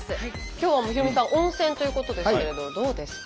今日はヒロミさん温泉ということですけれどどうですか？